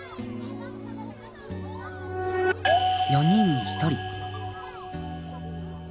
４人に１人。